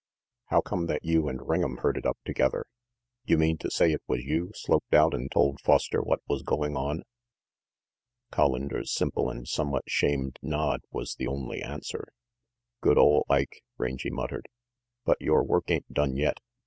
"How come that you and Ring'em herded up together? You mean to say it was you sloped out and told Foster what was going on?" (Hollander's simple and somewhat shamed nod was the only answer. "Good ole Ike!" Rangy muttered. "But v yore work ain't done yet.